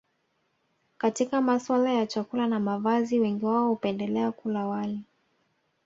Katika masuala ya chakula na mavazi wengi wao hupendelea kula wali